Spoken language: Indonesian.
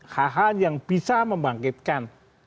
hahal yang bisa membangkitkan